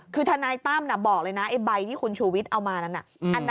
คือทนายตั้มบอกเลยนะไอ้ใบที่คุณชูวิทย์เอามานั้นน่ะ